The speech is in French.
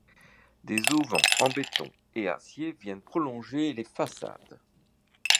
Des auvents en béton et acier viennent prolonger les façades.